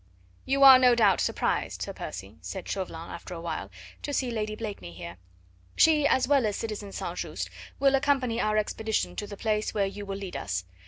"You are no doubt surprised, Sir Percy," said Chauvelin after a while, "to see Lady Blakeney here. She, as well as citizen St. Just, will accompany our expedition to the place where you will lead us.